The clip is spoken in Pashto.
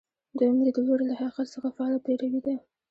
دویم لیدلوری له حقیقت څخه فعاله پیروي ده.